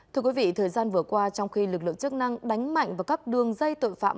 thưa quý vị thời gian vừa qua trong khi lực lượng chức năng đánh mạnh vào các đường dây tội phạm